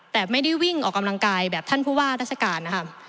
แต่ไม่ได้วิ่งออกกำลังกายแบบท่านผู้ว่าราชการนะคะ